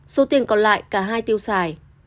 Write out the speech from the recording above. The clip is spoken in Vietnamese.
số tiền còn lại cả hai tiêu xài